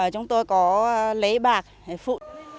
chúng tôi có lấy bạc phụ